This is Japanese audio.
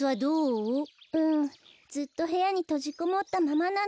うんずっとへやにとじこもったままなの。